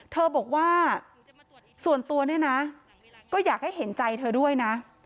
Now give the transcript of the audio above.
เธอบอกว่าส่วนตัวเนี่ยนะก็อยากให้เห็นใจเธอด้วยนะ